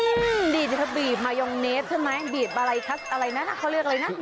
อื้มมดีถ้าบีบมายองเนสใช่มั้ยบีบอะไรน่ะเขาเรียกอะไรน่ะ